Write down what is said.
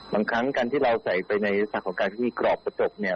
บางครั้งการที่เราใส่ไปในลักษณะของการที่มีกรอบกระจกเนี่ย